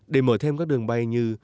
để mở thêm các đường bay như